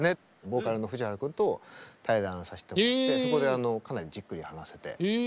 ボーカルの藤原君と対談させてもらってそこでかなりじっくり話せて。